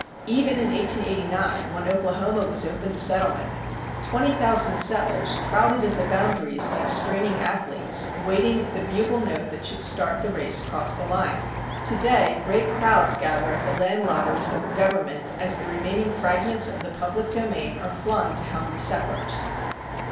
Even in 1889, when Oklahoma was opened to settlement, twenty thousand settlers crowded at the boundaries, like straining athletes, waiting the bugle note that should start the race across the line. To day great crowds gather at the land lotteries of the government as the remaining fragments of the public domain are flung to hungry settlers.